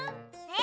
え？